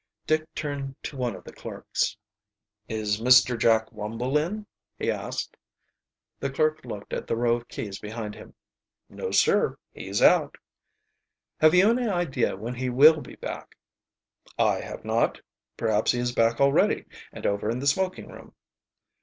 Dick turned to one of the clerks. "Is Mr. Jack Wumble in?" he asked. The clerk looked at the row of keys behind him. "No, sir; he's out." "Have you any idea when he will be back?" "I have not. Perhaps he is back already and over in the smoking room."